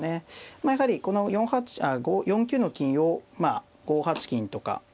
まあやはりこの４九の金をまあ５八金とか。